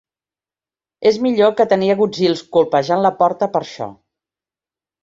És millor que tenir agutzils colpejant la porta per això.